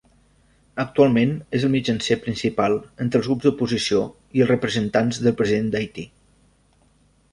Actualment és el mitjancer principal entre els grups d'oposició i els representants del President d'Haití.